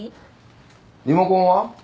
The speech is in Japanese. リモコンは？